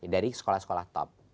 dari sekolah sekolah top